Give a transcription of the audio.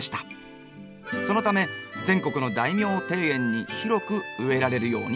そのため全国の大名庭園にひろく植えられるようになりました。